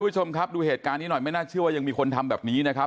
คุณผู้ชมครับดูเหตุการณ์นี้หน่อยไม่น่าเชื่อว่ายังมีคนทำแบบนี้นะครับ